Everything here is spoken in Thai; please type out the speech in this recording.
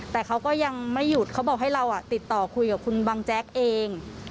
แต่เขาก็ยังไม่หยุดเขาบอกให้เราติดต่อคุยกับคุณบังแจ๊กเอง